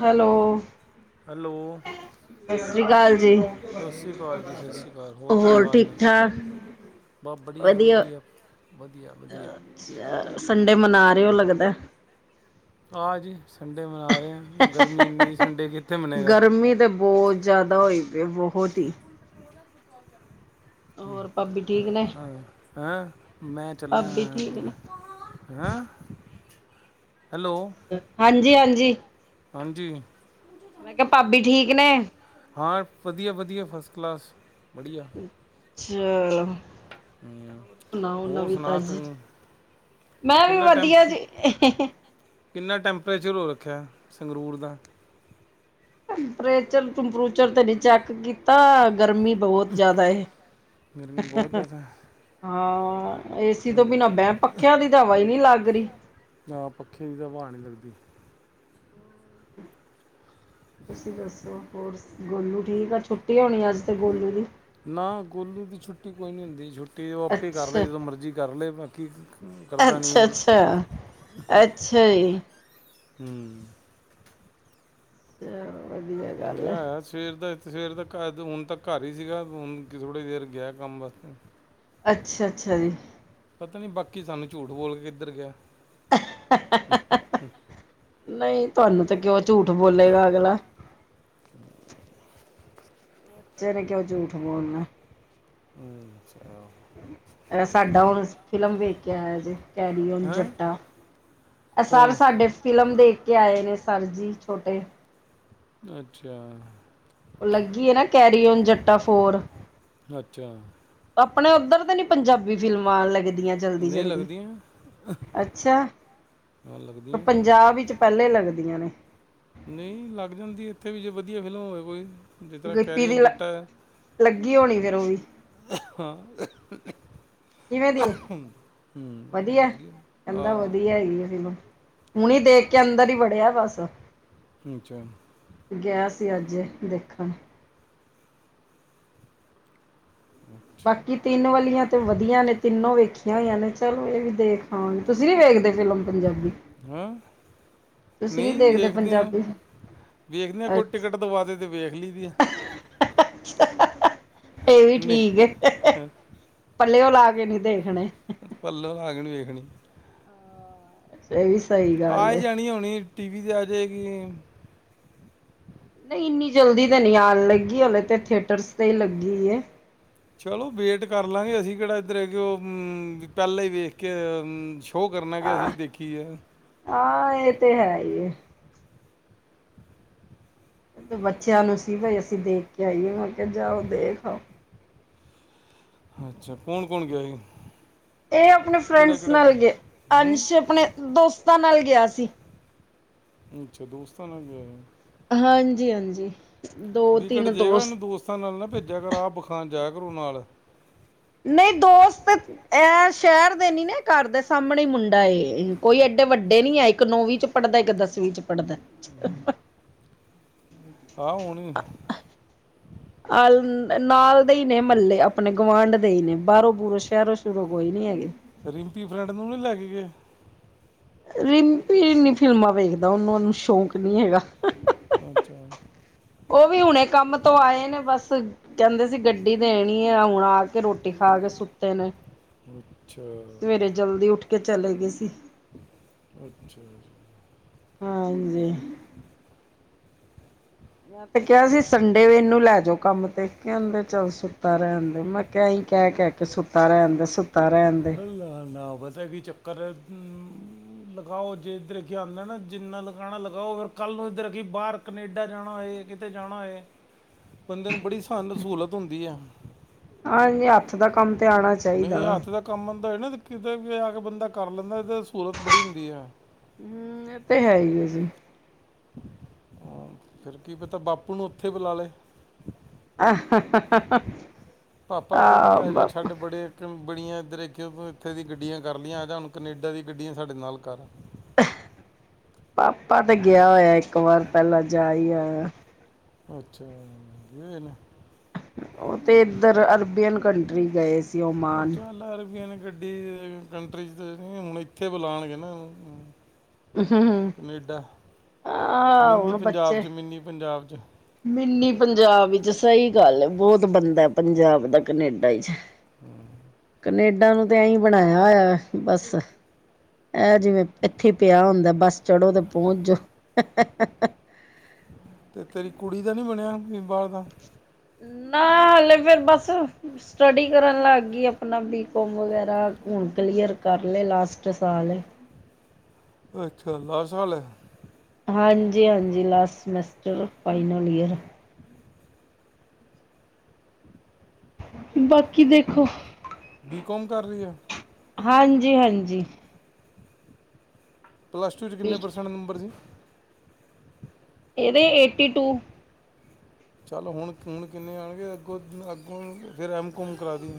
Hello. Hello. ਸਤਿ ਸ੍ਰੀ ਅਕਾਲ ਜੀ ਸਸ਼ ਰੀ ਕਾਲ ਜੀ, ਸਸ ਰੀ ਕਾਲ, ਹੋਰ ਕੀ ਹਾਲ ਠੀਕ ਨੇ। ਠਾਕ ਬਸ ਵਡੀਆ ਐ ਵਡੀਆ, ਵਧੀਆ। ਅ ਵਧੀਆ ਚਲ, ਸੰਡੇ ਮਨਾ ਰਹੇ ਹੋ ਲੱਗਦਾ। ਹਾਂਜੀ, ਸੰਡੇ ਮਨਾ ਰਹੇ ਹਾਂ। ਗਰਮੀ ਇੰਨੀ ਸੰਡੇ ਕਿੱਥੇ ਮਨੇਗਾ ਗਰਮੀ ਤੇ ਬਹੁਤ ਜ਼ਿਆਦਾ ਹੋਈ ਪਈ, ਬਹੁਤ ਹੀ। ਹੋਰ ਭਾਬੀ ਠੀਕ ਨੇ ਹ ਹੈਂ ਮੈਂ ਚੱਲਣਾ ਭਾਬੀ ਯਾਰ ਠੀਕ ਏਧਰ। ਨੇ ਹੈਂ, ਹੈਲੋ। ਹਾਂਜੀ- ਹਾਂਜੀ। ਹਾਂਜੀ। ਮੈਂ ਕਿਹਾ ਭਾਬੀ ਠੀਕ ਨੇ। ਹਾਂ ਵਧੀਆ- ਵਧੀਆ ਫਸਟ ਕਲਾਸ, ਵਡੀਆ। [inaudible] ਹਮ, ਹੋਰ ਸੁਣਾਓ ਹੋਰ ਨਵੀਂ ਸੁਣਾ ਤਾਜੀ, ਤੂੰ ਮੈਂ ਵੀ ਕਿੰਨਾ ਵਧੀਆ ਟੈਂਪ ਜੀ। ਕਿੰਨਾ ਟੈਂਪਰੇਚਰ ਹੋ ਰੱਖਿਆ, ਸੰਗਰੂਰ ਦਾ। ਟੈਂਪਰੇਚਰ ਟੂੰਪਰੇਚਰ ਤੇ ਨੀ ਚੈੱਕ ਕੀਤਾ, ਗਰਮੀ ਬੋਤ ਜ਼ਾਦਾ ਏ। ਗਰਮੀ ਬਹੁਤ ਜ਼ਿਆਦਾ ਹੈ ਹਾਂ ਏਸੀ ਤੋਂ ਹਮ, ਬਿਨਾਂ ਬਹਿ, ਪੱਖਿਆਂ ਦੀ ਤਾਂ ਹਵਾ ਹੀ ਨਹੀਂ ਲੱਗ ਰਹੀ। ਨਾ ਪੱਖੇ ਦੀ ਤਾਂ ਹਵਾ ਨੀ ਲੱਗਦੀ। ਹੂੰ, ਤੁਸੀਂ ਦੱਸੋ ਹੋਰ ਗੋਲੂ ਠੀਕ ਐ, ਛੁੱਟੀ ਹੋਣੀ ਅੱਜ ਤਾਂ ਗੋਲੂ ਦੀ। ਨਾ ਗੋਲੂ ਦੀ ਛੁੱਟੀ ਕੋਈ ਨੀ ਹੁੰਦੀ, ਛੁੱਟੀ ਉਹ ਆਪੇ ਕਰ ਅੱਛਾ ਲਏ, ਜਦੋਂ ਮਰਜ਼ੀ ਕਰ ਲਏ, ਬਾਕੀ ਡਰਦਾ ਨਹੀਂ ਅੱਛਾ ਐ, ਅੱਛਾ ਅੱਛਾ ਜੀ ਹੂੰ। ਚਲੋ ਵਧੀਆ ਗੱਲ ਗਿਆ ਐ। ਆ ਸਵੇਰ ਦਾ-ਸਵੇਰ ਦਾ ਘਰ, ਹੁਣ ਤੱਕ ਘਰ ਹੀ ਸੀਗਾ, ਹੁਣ ਥੋੜ੍ਹੀ ਦੇਰ ਗਿਆ ਕੰਮ ਵਾਸਤੇ। ਅੱਛਾ-ਅੱਛਾ ਜੀ। ਪਤਾ ਨਹੀਂ, ਬਾਕੀ ਸਾਨੂੰ ਝੂਠ ਬੋਲਕੇ ਕਿੱਧਰ ਗੈ। ਨਹੀਂ, ਤੁਹਾਨੂੰ ਤੇ ਕਿਉਂ ਝੂਠ ਬੋਲੇਗਾ ਅਗਲਾ। [unintelligible] ਬੱਚਿਆਂ ਨੇ, ਕਿਉਂ ਝੂਠ ਬੋਲਣਾ। ਹੂੰ, ਅੱਛਾ। ਐਸਾ ਡੌਂਸ, ਫਿਲਮ ਦੇਖਕੇ ਆਇਆ ਸੀ। ਕੈਰੀ ਔਨ ਹੈ ਜੱਟਾ। ਆ ਸਾਰ ਕੌਣ ਸਾਡੇ ਫ਼ਿਲਮ ਦੇਖਕੇ ਆਏ ਨੇ, ਸਰ ਜੀ ਛੋਟੇ। ਅੱਛਾ। ਉਹ ਲੱਗੀ ਏ ਨਾ, ਕੈਰੀ ਔਨ ਜੱਟਾ ਫੋਰ। ਅੱਛਾ ਆਪਣੇ ਉੱਧਰ ਤੇ ਨੀ, ਪੰਜਾਬੀ ਫਿਲਮਾਂ ਲੱਗਦੀਆਂ? ਨਹੀਂ ਜਲਦੀ-ਜਲਦੀ, ਲੱਗਦੀਆਂ ਅੱਛਾ। ਹਾਂ ਲੱਗਦੀਆਂ ਪੰਜਾਬ ਵਿੱਚ ਪਹਿਲੇ ਲੱਗਦੀਆਂ ਨੇ। ਨਹੀਂ ਲੱਗ ਜਾਂਦੀ ਇੱਥੇ ਵੀ, ਜੇ ਵਧੀਆ ਫਿਲਮ ਹੋਵੇ ਕੋਈ। ਜਿਸ ਤਰ੍ਹਾਂ ਗਿੱਪੀ ਕੈਰੀ ਦੀ ਔਨ ਜੱਟਾ। ਲੱਗੀ ਹੋਣੀ ਫਿਰ ਉਹ ਵੀ ਖੋਂ ਖੋਂ ਕਿਵੇਂ ਦੀ ਏ? ਵਧੀਆ। ਲੱਗੀ ਆ ਕਹਿੰਦਾ ਵਧੀਆ ਹਾਂ ਹੈਗੀ ਆ ਫਿਲਮ। ਹੁਣੀ ਦੇਖਕੇ ਅੰਦਰ ਹੀ ਵੜਿਆ ਬਸ। ਅਚਾਂ ਗਿਆ ਸੀ ਅੱਜ, ਦੇਖਣ। ਅੱਛਾ ਬਾਕੀ ਤਿੰਨ ਵਾਲੀਆਂ ਤੇ ਵਧੀਆ ਨੇ, ਤਿੰਨੋ ਵੇਖੀਆਂ ਹੋਈਆਂ ਨੇ ਚਲੋ, ਇਹ ਵੀ ਦੇਖ ਆਵਾਂਗੇ। ਤੁਸੀਂ ਨੀ ਵੇਖਦੇ, ਫਿਲਮ ਪੰਜਾਬੀ? ਹਾਂ ਤੁਸੀਂ ਨੀ ਨਹੀਂ ਦੇਖਦੇ ਵੇਖਦੇ ਆਂ, ਪੰਜਾਬੀ ਵੇਖਦੇ ਆਂ। ਕੋਈ ਟਿਕਟ ਦਵਾਦੇ ਤੇ ਵੇਖ ਲਈ ਦੀ ਹੈ। ਹਾਹਾਹਾ--ਅੱਛਾ। ਇਹ ਵੀ ਠੀਕ ਨਹੀਂ ਏ, ਪੱਲਿਓ ਲਾਕੇ ਨੀ ਦੇਖਣੇ। ਪੱਲੋਂ ਲਾਕੇ ਨੀ ਵੇਖਣੀ। ਇਹ ਵੀ ਸਹੀ ਗੱਲ ਆਈ ਹੈ ਜਾਣੀ, ਹੁਣੀ ਟੀਵੀ ਤੇ, ਆਜੇਗੀ। ਨਹੀਂ, ਇੰਨੀ ਜਲਦੀ ਤਾਂ ਨਹੀਂ ਆਣ ਲੱਗੀ, ਹਲੇ ਤੇ ਥੀਏਟਰਸ ਤੇ ਹੀ ਲੱਗੀ ਹੈ। ਚਲੋ, ਵੇਟ ਕਰ ਲਾਂਗੇ, ਅਸੀਂ ਕਿਹੜਾ ਇੱਧਰ ਹੈ ਕਿ, ਉਹ ਪਹਿਲਾਂ ਹੀ ਵੇਖਕੇ ਸ਼ੋਅ ਕਰਨਾ, ਕਿ ਅਸੀਂ ਦੇਖੀਏ। ਆ, ਇਹ ਤੇ ਹੈਹੀ ਏ। ਬੱਚਿਆਂ ਨੂੰ ਸੀ ਬਾਈ ਅਸੀਂ ਦੇਖਕੇ ਆਈਏ, ਮੈ ਕਿਹਾ ਜਾਓ, ਦੇਖ ਆਓ। ਅੱਛਾ। ਕੋਣ-ਕੋਣ ਗਿਆ ਹੀ? ਇਹ ਆਪਣੇ ਫਰੈਂਡਸ ਨਾਲ ਗਏ। ਹੂੰ ਅੰਸ਼ ਆਪਣੇ, ਦੋਸਤਾਂ ਨਾਲ ਗਿਆ ਸੀ। ਅੱਛਾ, ਦੋਸਤਾਂ ਨਾਲ ਗਿਆ ਹੀ। ਹਾਂਜੀ-ਹਾਂਜੀ। ਵਿਕ ਏਂਡ ਜੇਗਾ, ਓਹਨੂੰ ਦੋਸਤਾਂ ਨਾਲ ਨਾ ਭੇਜਿਆ ਕਰ, ਆਪ ਖਾਨ ਜਾਇਆ ਕਰੋ ਨਾਲ। ਨਹੀਂ ਦੋਸਤ, ਐ ਸ਼ਹਿਰ ਦੇ ਨੀ ਨਾ, ਘਰ ਦੇ ਸਾਹਮਣੇ ਮੁੰਡਾ ਏ। ਕੋਈ ਏਡੇ ਵੱਡੇ ਨੀ ਆ, ਇੱਕ ਨੌਵੀਂ'ਚ ਪੜ੍ਹਦਾ, ਇੱਕ ਦਸਵੀਂ'ਚ ਪੜ੍ਹਦਾ। ਆਹ ਹੁਣ ਆਲ, ਨਾਲ ਦੇ ਹੀ ਨੇ ਮਹੱਲੇ, ਆਪਣੇ ਗੁਆਂਢ ਦੇ ਹੀ ਨੇ। ਬਾਹਰੋਂ-ਬੂਰੋਂ, ਸ਼ਹਿਰੋ-ਸ਼ੁਰੋਂ ਕੋਈ ਨੀ ਹੈਗੇ। ਰਿੰਪੀ ਫਰੈਂਡ ਨੂੰ ਨਹੀ ਲੈਕੇ ਗਏ? ਰਿੰਪੀ ਨਹੀਂ ਫਿਲਮਾਂ ਵੇਖਦਾ, ਉਹਨੂੰ, ਹੁਨ ਸ਼ੌਕ ਨੀ ਹੈਗਾ। ਅੱਛਾ। ਉਹ ਵੀ ਹੁਣੇ ਕੰਮ ਤੋਂ ਆਏ ਨੇ, ਬਸ ਕਹਿੰਦੇ ਸੀ ਗੱਡੀ ਦੇਣੀ ਏ, ਹੁਣ ਆਕੇ ਰ੍ਹੋਟੀ ਖਾਕੇ ਸੁ ਤੇ ਨੇ, ਅੱਛਾ ਸਵੇਰੇ ਜਲਦੀ ਉੱਠਕੇ ਚਲੇ ਗਏ ਸੀ। ਅੱਛਾ। ਹਾਂਜੀ, ਮੈਂ ਤੇ ਕਿਹਾ ਸੀ ਸੰਡੇ ਇਹਨੂੰ ਲੈ ਜਾਓ ਕੰਮ ਤੇ ਕਹਿੰਦੇ ਚੱਲ ਸੁੱਤਾ ਰਹਿਣ। ਮੈਂ ਕਿਹਾਈਂ ਕਹਿ ਕਹਿ ਕੇ ਸੁੱਤਾ ਰਹਿਣਦੇ ਸੁੱਤਾ ਰਹਿਣਦੇ। ਨਾ ਨਾ ਪਤਾ ਕੀ ਚੱਕਰ ਲਗਾਓ ਜੇਧਰ ਕੀ ਆਉਂਦਾ ਨਾ ਜਿੰਨਾ ਲਗਾਣਾ ਲਗਾਓ ਫਰ ਕੱਲ੍ਹ ਨੂੰ ਇੱਧਰ ਕੀ ਬਾਹਰ ਕਨੇਡਾ ਜਾਣਾ ਹੋਏ ਕਿਤੇ ਜਾਣਾ ਹੋਏ ਬੰਦੇ ਨੂੰ ਬੜੀ ਸਹਾਨ ਸਹੂਲਤ ਹੁੰਦੀ ਹੈ। ਹਾਂਜੀ, ਅੱਪ ਦਾ ਕੰਮ ਧਿਆ। ਨਹੀਂ ਹੱਥ ਦਾ ਕੰਮ ਆਦਾ ਨਾ ਕਿਤੇ ਵੀ ਆ ਕੇ ਬੰਦਾ ਕਰ ਲੈਂਦਾ ਇਹ ਸਹੂਲਤ ਬੜੀ ਹੁੰਦੀ ਹੈ। ਹੂੰ, ਇਹ ਤੇ ਹੈਂ ਏ ਜੀ ਹਾਂ, ਫਿਰ ਕੀ ਪਤਾ ਬਾਪੂ ਨੂੰ ਉੱਥੇ ਬੁਲਾ ਲਏ। ਆ, ਹਾ ਹਾ ਹਾ ਪਾਪਾ ਤੂ ਵੀ ਆ ਜਾ ਛੱਡ ਬੜੇ। ਬੜੀਆਂ ਇੱਧਰ ਕਿ ਇੱਥੇ ਦੀ ਗੱਡੀਆਂ ਕਰ ਲਈਆਂ ਜਾਂ ਹੁਣ ਕਨੇਡਾ ਦੀ ਗੱਡੀਆਂ ਸਾਡੇ ਨਾਲ ਕਰ ਪਾਪਾ ਤੇ ਗਿਆ ਹੋਇਆ ਇੱਕ ਵਾਰ ਪਹਿਲਾਂ ਜਾਈ ਆਇਆ। ਅੱਛਾ ਵੇਲਾ ਉਹ ਤੇ ਇੱਧਰ ਅਰਬੀਅਨ ਕੰਟਰੀ ਗਏ ਸੀ ਓਮਾਨ। [unintelligible] [unintelligible] [unintelligible] ਕੰਟਰੀ ਚ ਤੇ ਹੁਣ ਇੱਥੇ ਬੁਲਾਣਗੇ ਨਾ ਕਨੇਡਾ ਆਹ ਮਿੰਨੀ ਹੁਣ ਪੰਜਾਬ ਬੱਚੇ ਚ ਮਿੰਨੀ ਪੰਜਾਬ ਚ। ਮਿੰਨੀ ਪੰਜਾਬ ਵਿਚ ਸਈ ਗੱਲ ਐ ਬੋਤ ਬੰਦਾ ਪੰਜਾਬ ਦੈ ਕਨੇਡਾ ਚ। ਕਨੇਡਾ ਨੂੰ ਤੇ ਐਈ ਬਣਾਇਆ ਹੋਇਆ ਏ ਬਸ। ਐ ਜਿਵੇਂ ਐਥੇ ਪਿਆ ਹੁੰਦਾ ਬਸ ਚੜੋ ਤੇ ਪਹੁੰਚ ਜੋ। ਤੇ ਤੇਰੀ ਕੁੜੀ ਦਾ ਨੀ ਬਣਿਆ ਵੀ ਬਾਰ ਦਾ। ਨਾ ਹਲੇ ਫੇਰ ਬੱਸ। ਸਟੱਡੀ ਕਰਨ ਲਾਗੀ ਆਪਣਾ ਬੀਕੌਮ ਵਗੈਰਾ ਹੁਣ ਕਲੀਅਰ ਕਰਲੇ ਲਾਸਟ ਸਾਲ ਐ। ਅੱਛਾ ਲਾ ਸਾਲ ਐ। ਹਾਂਜੀ-ਹਾਂਜੀ ਲਾਸਟ ਸਮੈਸਟਰ ਫਾਈਨਲ ਈਅਰ। [unintelligible] [unintelligible] ਬਾਕੀ ਦੇਖੋ ਬੀਕਾਮ ਕਰ ਰਹੀ ਹੈ ਹਾਂਜੀ-ਹਾਂਜੀ ਪਲੱਸ ਟੂ ਚ ਕਿੰਨੇ ਪਰਸੈਂਟ ਨੰਬਰ ਸੀ? ਇਹਦੇ ਏਟੀ ਟੂ। ਚੱਲ ਹੁਣ ਹੁਣ ਕਿੰਨੇ ਆਣਗੇ ਅੱਗੋਂ ਅੱਗੋਂ ਫਿਰ ਐਮ ਕੋਂਮ ਕਰਾ ਦੀ।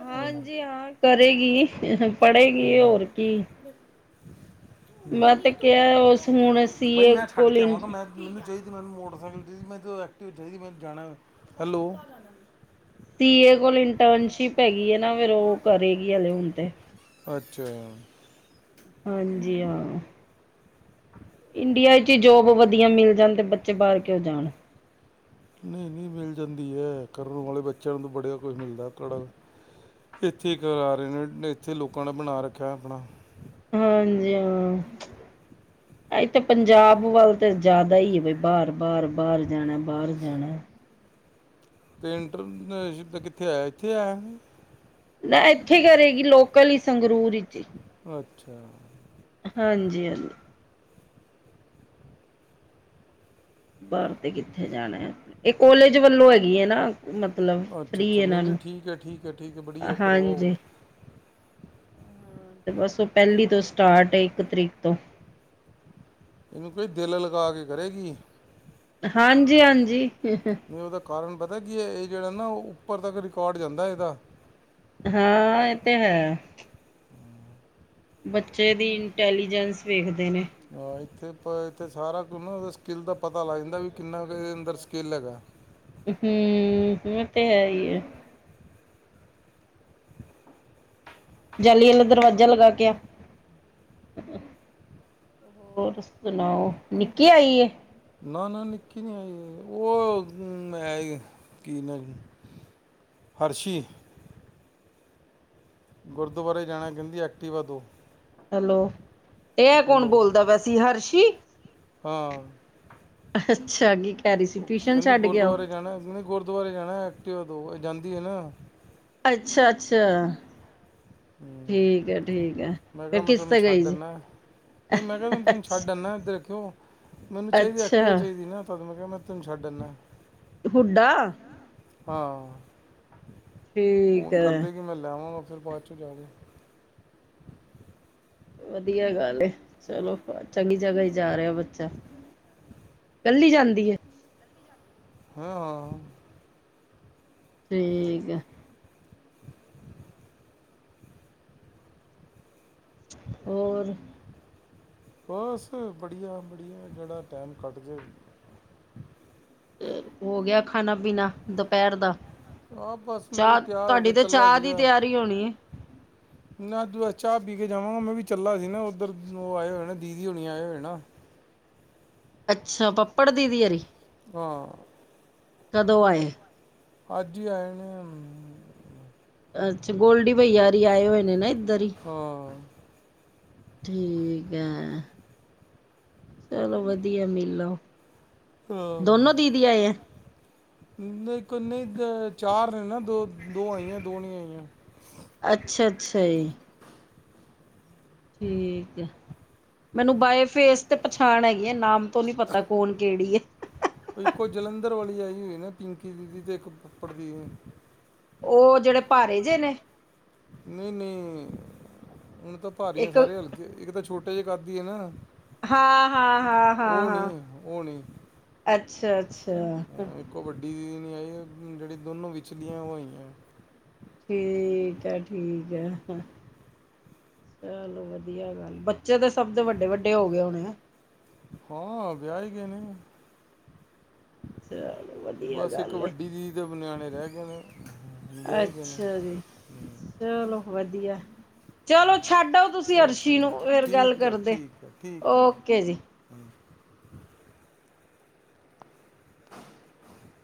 ਹਾਂਜੀ ਹਾਂ ਕਰੇਗੀ ਪੜ੍ਹੇਗੀ ਹੋਰ ਕੀ। ਮੈਂ ਤੇ ਕਿਹਾ ਉਸ ਹੁਣ ਸੀ ਬਾਈ ਏ ਮੈਂ ਛੱਡ ਕੋਲ ਕੇ ਆਵਾਂਗਾ ਮੈਂ ਮੈਨੂੰ ਨੀ ਚਾਈਦੀ ਮੈਨੂੰ ਮੋਟਰਸਾਈਕਲ ਚਈ ਮੈਂ ਤਾਂ ਐਕਟੀਵ ਚਈ ਮੈਨ ਜਾਣਾ ਹੈਲੋ। ਤੀਏ ਕੋਲ ਇੰਟਰਨਸ਼ਿਪ ਹੈਗੀ ਐ ਨਾ ਫੇਰ ਓ ਕਰੇਗੀ ਹਲੇ ਹੁਣ ਤੇ। ਅੱਛਾ। ਹਾਂਜੀ। ਹਾਂ [unintelligible] [unintelligible] ਇੰਡੀਆ ਵਿੱਚ ਈ ਜੋਬ ਵਧੀਆ ਮਿਲ ਜਾਣ ਤੇ ਬੱਚੇ ਬਾਰ ਕਿਉ ਜਾਣ। ਨਈ-ਨਈ ਮਿਲ ਜਾਂਦੀ ਏ ਕਰਨ ਵਾਲੇ ਬੱਚਿਆਂ ਨੂੰ ਤਾਂ ਬੜਿਆ ਕੁੱਛ ਮਿਲਦਾ ਕੜ ਏਥੇ ਕਰਾ ਰੇ ਨੇ ਏਥੇ ਲੋਕਾਂ ਨੇ ਬਣਾ ਰੱਖਿਆ ਆਪਣਾ। ਹਾਂਜੀ ਹਾਂ। ਇਥੇ ਤੇ ਪੰਜਾਬ ਵੱਲ ਤੇ ਜਾਦਾ ਈ ਏ ਬਈ ਬਾਰ-ਬਾਰ-ਬਾਰ ਜਾਣਾ ਬਾਰ ਜਾਣਾ। ਤੇ ਇੰਟਰਨਸ਼ਿਪ ਦਾ ਕਿੱਥੇ ਆਇਆ ਇੱਥੇ ਆਇਆ? ਨਾ ਏਥੇ ਈ ਕਰੇਗੀ ਲੋਕਲ ਈ ਸੰਗਰੂਰ ਵਿੱਚ ਈ। ਅੱਛਾ। ਹਾਂਜੀ-ਹਾਂਜੀ ਬਾਰ ਤੇ ਕਿੱਥੇ ਜਾਨਾ ਐ ਏ ਕੋਲੇਜ ਵੱਲੋਂ ਹੈਗੀ ਐ ਨਾ। ਮਤਲਬ ਅੱਛਾ ਫਰੀ ਅੱਛਾ ਨਹੀਂ ਇਹਨਾਂ ਨਹੀਂ ਨੂੰ ਠੀਕ ਹੈ ਠੀਕ ਹੈ ਠੀਕ ਹੈ ਬੜੀਆ ਕਰਵਾਓ ਹਾਂਜੀ। ਤੇ ਬਸ ਉਹ ਪਹਿਲੀ ਤੋਂ ਸਟਾਰਟ ਏ ਇੱਕ ਤਰੀਕ ਤੋਂ। ਇਹਨੂੰ ਕਈ ਦਿਲ ਲਗਾ ਕੇ ਕਰੇਗੀ। ਹਾਂਜੀ-ਹਾਂਜੀ ਤੇ ਉਦਾ ਕਾਰਨ ਪਤਾ ਕੀਏ ਏ ਜੇੜਾ ਨਾ ਉੱਪਰ ਤੱਕ ਰਿਕਾਰਡ ਜਾਂਦਾ ਏਦਾ। ਹਾਂ ਏ ਤੇ ਹੈ। ਬੱਚੇ ਵੀ ਇੰਟੈਲੀਜੈਂਸ ਵੇਖਦੇ ਨੇ। ਹਾਂ ਇੱਥੇ ਪ ਇੱਥੇ ਸਾਰਾ ਕੁਝ ਸਕਿਲ ਦਾ ਪਤਾ ਲੱਗ ਜਾਂਦਾ ਵੀ ਕਿੰਨਾ ਅੰਦਰ ਸਕਿਲ ਹੈਗਾ। ਹੂ ਉਹ ਤੇ ਹੈ ਈ ਹੈ [inaudible] ਜਾਲੀ ਵਾਲਾ ਦਰਵਾਜ਼ਾ ਲਗਾ ਕੇ ਆ ਹੋਰ। ਸੁਣਾਓ ਨਿੱਕੀ ਆਈਏ। ਨਾ-ਨਾ ਨਿੱਕੀ ਨੀ ਆਈ ਉਹ ਹੈ ਕੀ ਜੀ ਨਾ ਫਰਸ਼ੀ। ਗੁਰਦੁਆਰੇ ਜਾਣਾ ਕਹਿੰਦੀ ਐਕਟੀਵਾ ਦਿਓ। ਹੈਲੋ, ਇਹ ਕੌਣ ਹੈਲੋ ਬੋਲਦਾ? ਪਿਆ ਹਰਸ਼ੀ? ਹਾਂ ਅੱਛਾ ਨੀਗੀ ਕਹਿੰਦੀ ਗੁਰਦੁਆਰੇ ਜਾਣਾ? ਗੁਰਦੁਆਰੇ ਜਾਣਾ ਐਕਟਿਵਾ ਦੋ ਜਾਂਦੀ ਹੈ ਨਾ? ਅੱਛਾ-ਅੱਛਾ, ਠੀਕ ਹੈ-ਠੀਕ ਹੈ। ਇਹਦਾ ਫਿਰ ਕਿਸ ਮਤਲਬ ਮੈਂ ਤੇ ਗਈ ਛੱਡ ਸੀ ਆਂਦਾ ਹਾਂ ਨਹੀਂ ਮੈਂ ਕਿਹਾ ਨੂੰ ਛੱਡ ਅੱਛਾ ਆਉਂਦਾ ਹਾਂ। ਇਹ ਦੇਖਿਓ ਮੈਨੂੰ ਚਾਹੀਦੀ ਹੈ ਅੱਛਾ ਐਕਟੀਵਾ ਚਾਹੀਦੀ ਮੈਂ ਤੈਨੂੰ ਛੱਡ ਆਂਦਾ। ਹੁੱਡਾ ਹਾਂ, ਠੀਕ ਫੋਨ ਹੈ ਕਰਦੇ- ਮੈਂ ਲੈਵਾਂਗਾ ਫਿਰ ਬਾਅਦ ਚੋਂ ਜਾ ਕੇ। [inaudible] ਵਧੀਆ ਗੱਲ ਹੈ ਚਲੋ ਚੰਗੀ ਜਗ੍ਹਾ ਹੈ। ਜਾ ਰਿਹਾ ਬੱਚਾ ਕੱਲੀ ਜਾਂਦੀ ਹੈ। ਹਾਂ-ਹਾਂ- ਠੀਕ ਹੈ। ਹੋਰ ਬਸ ਬੜੀਆ-ਬੜੀਆ ਜੇੜਾ ਟਾਈਮ ਕੱਢ ਜੇ। ਹੋ ਗਿਆ ਖਾਣਾ-ਪੀਣਾ ਦੁਪਹਿਰ ਦਾ। ਆ ਬਸ ਮੈਂ ਵੀ ਚਾਹ ਤਿਆਰ ਹੋ ਤੁਹਾਡੀ ਕੇ ਤੇ ਚੱਲਾ ਚਾਹ ਦੀ ਸੀਗਾ ਤਿਆਰੀ ਹੋਣੀ ਏ। ਨਾ ਤੂੰ ਚਾਹ ਪੀ ਕੇ ਜਾਵਾਂਗਾ ਮੈਂ ਵੀ ਚੱਲਾ ਸੀ ਨਾ ਓਧਰ ਓ ਆਏ ਹੋਏ ਨੇ ਦੀਦੀ ਓਨੀ ਆਏ ਹੋਏ ਨੇ ਨਾ। ਅੱਛਾ ਪਪੜ ਦੀਦੀ ਹੋ ਰਹੀ ਹਾਂ ਕਦੋਂ ਆਏ ਅੱਜ ਆਏ ਨੇ ਹੂ ਅੱਛਾ ਗੋਲਡੀ ਭਈਆ ਹੋਰੀ ਆਏ ਹੋਏ ਨੇ ਇਧਰ ਹੀ ਹਾਂ ਠੀਕ ਹੈ, ਚਲੋ ਵਧੀਆ ਮਿਲ ਆਓ। ਹੂ,,, ਨਹੀਂ ਚਾਰ ਨੇ ਦੋ ਆਈਆਂ ਦੋ ਨਹੀਂ ਆਈਆਂ। ਅੱਛਾ-ਅੱਛਾ ਜੀ ਠੀਕ ਹੈ ਮੈਨੂੰ ਬਾਏ ਫੇਸ ਤੇ ਪਛਾਣ ਹੈਗੀ ਹੈ ਨਾਮ ਤੋਂ ਨੀ ਪਤਾ ਕੌਣ ਕਿਹੜੀ ਹੈ। ਉਹ ਤਾਂ ਇੱਕ ਜਲੰਧਰ ਵਾਲੀ ਆਈ ਹੋਈ ਸੀ-ਪਿੰਕੀ ਦੀਦੀ ਤੇ ਇੱਕ ਪੱਪੜ ਦੀਦੀ। ਉਹ ਜਿਹੜੇ ਭਾਰੇ ਜਿਹੇ ਨੇ ਨਹੀਂ-ਨਹੀਂ, ਹੁਣ ਤਾਂ ਭਾਰੀਆਂ ਇੱਕ ਸਾਰੇ ਹਲਕੇ ਇੱਕ ਤਾਂ ਛੋਟੇ ਜਿਹੇ ਕੱਦ ਦੀ ਹੈਨਾ। ਹਾਂ-ਹਾਂ, ਹਾਂ-ਹਾਂ, ਹਾਂ, ਉਹ ਨਹੀਂ ਅੱਛਾ-ਅੱਛਾ ਕਬੱਡੀ ਨਹੀਂ ਆਈ ਜਿੜ ਦੋਨੋਂ ਵਿਚਿਚਲੀਆਂ ਉਹ ਆਈਆਂ। ਠੀਕ ਆ-ਠੀਕ ਆ। ਚਲੋ ਵਧੀਆ ਗੱਲ ਹੈ ਬੱਚੇ ਤਾਂ ਸਭ ਦੇ ਵੱਡੇ-ਵੱਡੇ ਹੋ ਗਏ ਹੋਣੇ ਆ। ਹਾਂ ਵਿਆਹ ਹੀ ਗਏ ਨੇ। ਚਲੋ ਵਧੀਆ ਬਸ ਇੱਕ ਗੱਲ ਹੈ। ਵੱਡੀ ਦੀ ਦੇ ਨਿਆਣੇ ਰਹਿ ਗਏ ਨੇ। ਵਿਆਹ ਹੀ ਗਏ ਨੇ ਅੱਛਾ ਜੀ, ਚਲੋ ਵਧੀਆ। ਚਲੋ ਛੱਡਓ ਤੁਸੀਂ ਚਲ ਅਰਸ਼ੀ ਨੂੰ, ਠੀਕ ਫਿਰ ਗੱਲ ਠੀਕ ਕਰਦੇ ਓਕੇ ਜੀ। ਹਮ